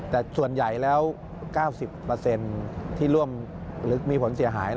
แต่ส่วนใหญ่แล้ว๙๐ที่ร่วมหรือมีผลเสียหาย